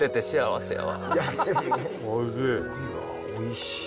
おいしい。